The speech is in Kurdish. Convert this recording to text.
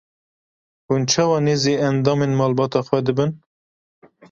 Hûn çawa nêzî endamên malbata xwe dibin?